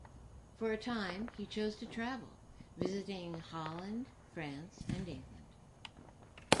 For a time he chose to travel, visiting Holland, France and England.